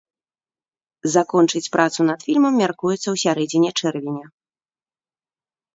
Закончыць працу над фільмам мяркуецца ў сярэдзіне чэрвеня.